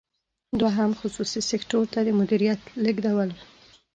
دوهم: خصوصي سکتور ته د مدیریت لیږدول.